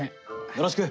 よろしく。